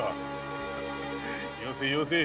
よせよせ。